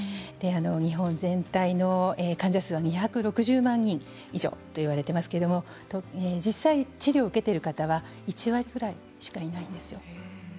日本全体の患者数は２６０万人以上と言われていますけれど実際、治療を受けている方は１割ぐらいしかいないんです。